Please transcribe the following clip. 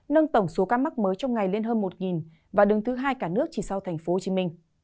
nâng tổng số ca mắc mới trong ngày lên hơn một và đứng thứ hai cả nước chỉ sau tp hcm